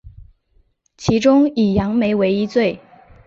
其中以杨梅为一最。